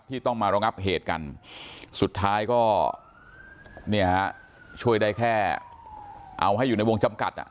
ต้องมาระงับเหตุกันสุดท้ายก็เนี่ยฮะช่วยได้แค่เอาให้อยู่ในวงจำกัดอ่ะ